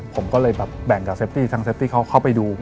ผมก็เลยแบบแบ่งกับเซฟตี้ทางเซฟตี้เขาเข้าไปดู